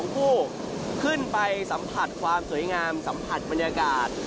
ผู้ขึ้นไปสัมผัสความสวยงามสัมผัสบรรยากาศ